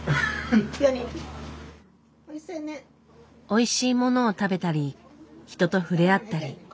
おいしいものを食べたり人とふれあったり。